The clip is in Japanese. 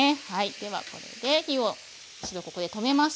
ではこれで火を一度ここで止めます。